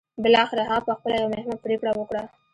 بالاخره هغه پخپله یوه مهمه پرېکړه وکړه